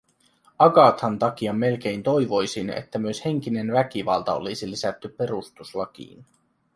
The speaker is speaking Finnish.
Agathan takia melkein toivoisin, että myös henkinen väkivalta olisi lisätty perustuslakiin.